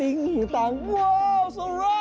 อีคนเต้นอังกฤษ